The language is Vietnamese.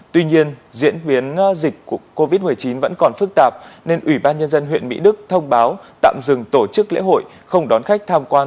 tuy nhiên diễn biến dịch covid một mươi chín vẫn còn phức tạp nên ủy ban nhân dân huyện mỹ đức thông báo tạm dừng tổ chức lễ hội không đón khách tham quan